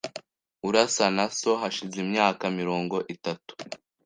Urasa na so hashize imyaka mirongo itatu .